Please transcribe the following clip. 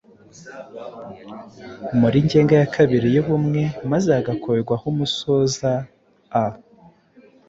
muri ngenga ya kabiri y’ubumwe maze hagakurwaho umusoza “a”.